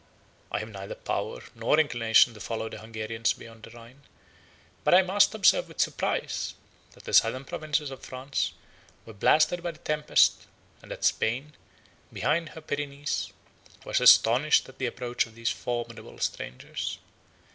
I have neither power nor inclination to follow the Hungarians beyond the Rhine; but I must observe with surprise, that the southern provinces of France were blasted by the tempest, and that Spain, behind her Pyrenees, was astonished at the approach of these formidable strangers.